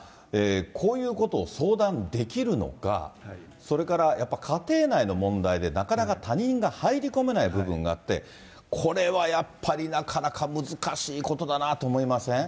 こういうことを相談できるのか、それからやっぱり家庭内の問題でなかなか他人が入り込めない部分があって、これはやっぱりなかなか難しいことだなと思いません？